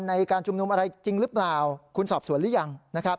ในการชุมนุมอะไรจริงหรือเปล่าคุณสอบสวนหรือยังนะครับ